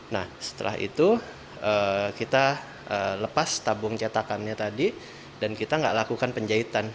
nah setelah itu kita lepas tabung cetakannya tadi dan kita nggak lakukan penjahitan